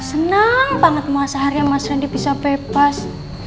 seneng banget mau seharian mas randi bisa bebas